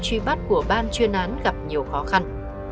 truy bắt của ban chuyên án gặp nhiều khó khăn